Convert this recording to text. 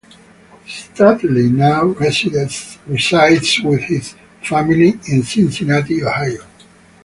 Studley now resides with his family in Cincinnati, Ohio.